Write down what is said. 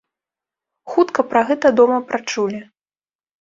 Хутка пра гэта дома прачулі.